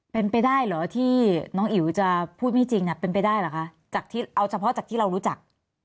เป็นไปได้เหรอที่น้องอิ๋วจะพูดไม่จริงเป็นไปได้เหรอคะจากที่เอาเฉพาะจากที่เรารู้จัก